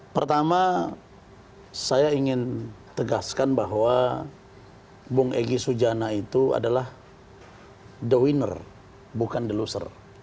pertama saya ingin tegaskan bahwa bung egy sujana itu adalah the winner bukan the loser